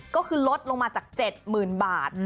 ก็คือลดลงมาจาก๗๐๐๐บาท